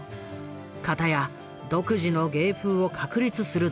かたや独自の芸風を確立する談志。